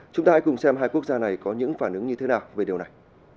chúng ta hãy cùng xem hai quốc gia này có những phản ứng như thế nào về điều này